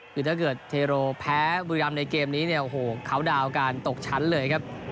คือถ้าเกิดเทโรแพ้บุรีรำในเกมนี้เนี่ยโอ้โหเขาดาวน์การตกชั้นเลยครับ